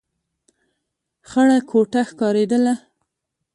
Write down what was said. خړه کوټه ښکارېدله.